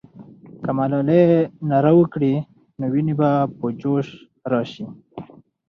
که ملالۍ ناره وکړي، نو ويني به په جوش راسي.